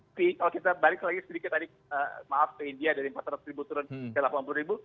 tapi kalau kita balik lagi sedikit tadi maaf ke india dari empat ratus ribu turun ke delapan puluh ribu